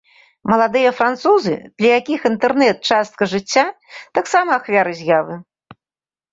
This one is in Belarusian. Маладыя французы, для якіх інтэрнэт-частка жыцця, таксама ахвяры з'явы.